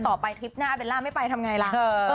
ทริปหน้าเป็นล่ะไม่ไปทำไงล่ะ